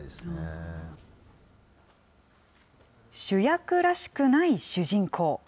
主役らしくない主人公。